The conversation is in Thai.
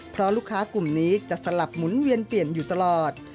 เพราะลูกค้ากลุ่มนี้จะสลับหมุนเวียนเปลี่ยนอยู่ตลอด